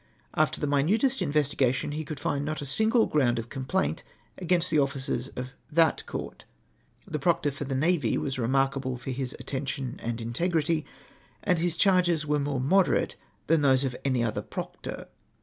After the minutest investigation, he could not find a single ground of complaint against the officers of that Court. The proctor fur the navy was remarkable for his attention and integrity, and his charges were more moderate than those of any other proctor.